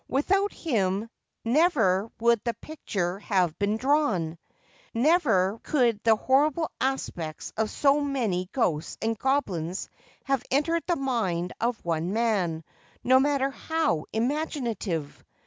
Without him never would the picture have been drawn ; never could the horrible aspects of so many ghosts and goblins have entered the mind of one man, no matter how imaginative.